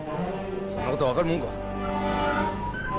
そんなことは分かるもんか。